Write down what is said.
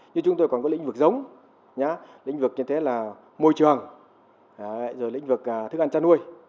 như chúng tôi còn có lĩnh vực giống lĩnh vực như thế là môi trường lĩnh vực thức ăn tra nuôi